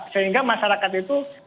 sehingga masyarakat itu tersadar